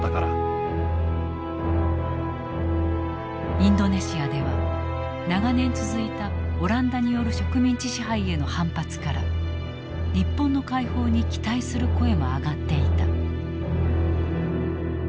インドネシアでは長年続いたオランダによる植民地支配への反発から日本の解放に期待する声も上がっていた。